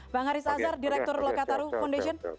bang haris hazar direktur lokataruh foundation